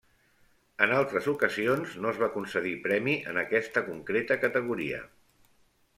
En altres ocasions no es va concedir premi en aquesta concreta categoria.